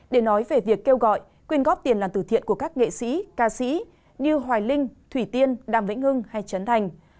để nói về việc kêu gọi quyên góp tiền làm từ thiện của các nghệ sĩ ca sĩ như hoài linh thủy tiên đàm vĩnh hưng hay trấn thành